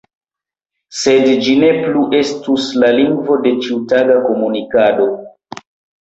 Sed ĝi ne plu estus la lingvo de ĉiutaga komunikado.